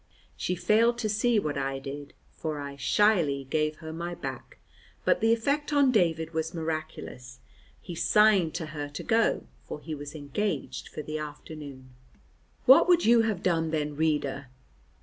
She failed to see what I did, for I shyly gave her my back, but the effect on David was miraculous; he signed to her to go, for he was engaged for the afternoon. What would you have done then, reader?